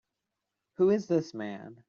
Who is this man?